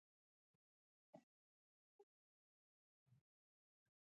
اټوټروفیک باکتریاوې خوراکي مواد له غیر عضوي سرچینو اخلي.